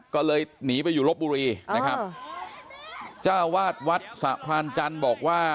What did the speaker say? ก็เลยหนีไปอยู่ลบบุรีนะครับจ้าวาดวัดสะพรานจันทร์บอกว่า